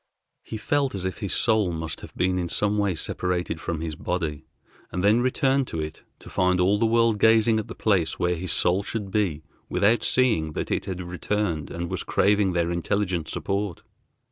He felt as if his soul must have been in some way separated from his body, and then returned to it to find all the world gazing at the place where his soul should be without seeing that it had returned and was craving their intelligent support.